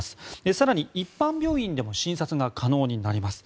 更に、一般病院でも診察が可能になります。